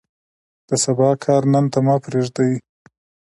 د سبا کار نن ته مه پرېږدئ.